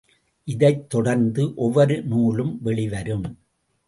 இதைத்தொடர்ந்து ஒவ்வொரு நூலும் வெளிவரும்.